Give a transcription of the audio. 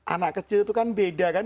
anak kecil itu kan beda kan